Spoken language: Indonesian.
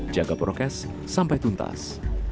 jaga prokes sampai tuntas